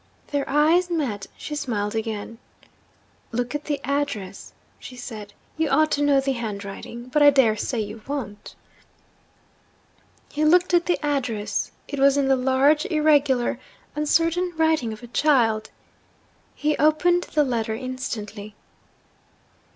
Their eyes met; she smiled again. 'Look at the address,' she said. 'You ought to know the handwriting but I dare say you don't.' He looked at the address. It was in the large, irregular, uncertain writing of a child. He opened the letter instantly.